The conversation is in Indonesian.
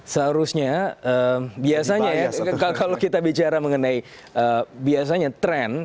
seharusnya biasanya ya kalau kita bicara mengenai biasanya tren